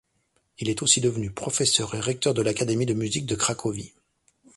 Il est aussi devenu professeur et recteur de l'Académie de musique de Cracovie.